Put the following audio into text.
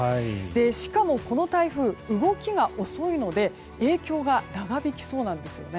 しかも、この台風動きが遅いので影響が長引きそうなんですよね。